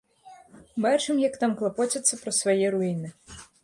Бачым, як там клапоцяцца пра свае руіны.